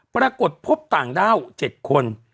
ปรากฏพบต่างด้าว๗คน